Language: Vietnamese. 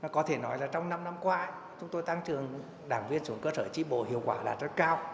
có thể nói là trong năm năm qua chúng tôi tăng trường đảng viên xuống cơ sở tri bộ hiệu quả là rất cao